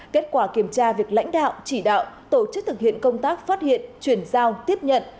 kết quả kiểm tra việc lãnh đạo chỉ đạo tổ chức thực hiện công tác phát hiện chuyển giao tiếp nhận